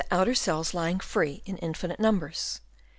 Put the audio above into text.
outer cells lying free in in finite numbers.